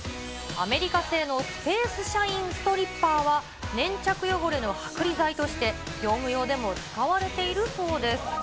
アメリカ製のスペースシャインストリッパーは、粘着汚れの剥離剤として、業務用でも使われているそうです。